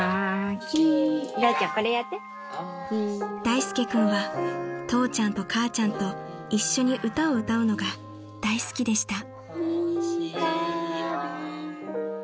［大介君は父ちゃんと母ちゃんと一緒に歌を歌うのが大好きでした］